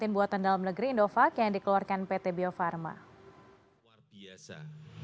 buatan dalam negeri indovac yang dikeluarkan pt bio farma